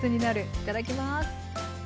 いただきます。